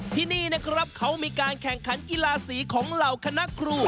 ที่นี่นะครับเขามีการแข่งขันกีฬาสีของเหล่าคณะครู